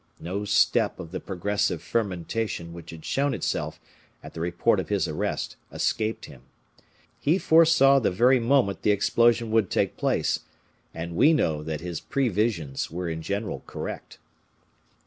No step of the progressive fermentation which had shown itself at the report of his arrest escaped him. He foresaw the very moment the explosion would take place; and we know that his previsions were in general correct.